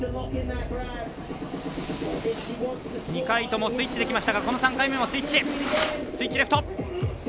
２回ともスイッチできましたがこの３回目もスイッチ。